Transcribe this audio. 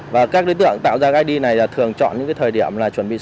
và các đối tượng tạo ra id này là thường chọn những thời điểm